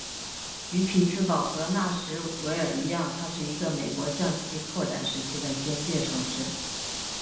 与匹兹堡和纳什维尔一样它是一个美国向西扩展时期的边界城市。